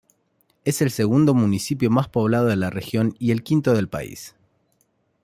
Es el segundo municipio más poblado de la región y el quinto del país.